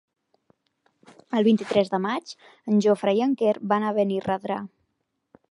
El vint-i-tres de maig en Jofre i en Quer van a Benirredrà.